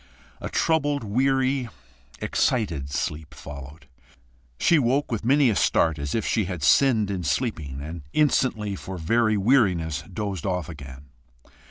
A troubled, weary, EXCITED sleep followed. She woke with many a start, as if she had sinned in sleeping, and instantly for very weariness, dozed off again.